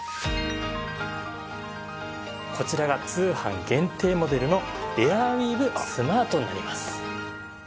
こちらが通販限定モデルのエアウィーヴスマートになります。